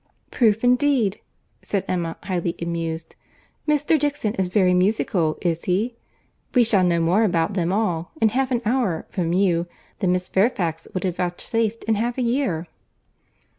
"Proof indeed!" said Emma, highly amused.—"Mr. Dixon is very musical, is he? We shall know more about them all, in half an hour, from you, than Miss Fairfax would have vouchsafed in half a year."